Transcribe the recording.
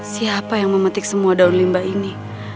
siapa yang memetik semua daun limbah ini